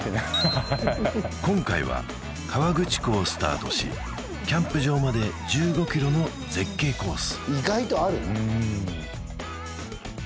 今回は河口湖をスタートしキャンプ場まで１５ｋｍの絶景コース